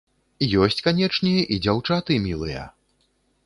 Ёсць, канечне, і дзяўчаты мілыя.